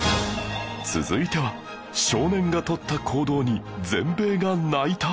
続いては少年が取った行動に全米が泣いた！？